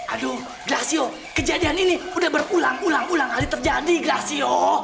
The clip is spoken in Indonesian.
aduh gracio kejadian ini udah berulang ulang ulang kali terjadi gracio